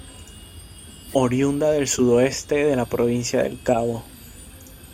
Oriunda del sudoeste de la Provincia del Cabo